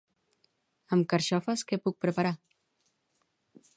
Amb carxofes què puc preparar?